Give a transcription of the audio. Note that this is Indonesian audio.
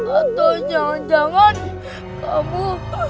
atau jangan jangan kamu